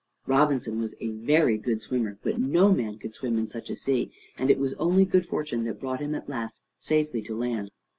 Robinson was a very good swimmer, but no man could swim in such a sea, and it was only good fortune that brought him at last safely to land.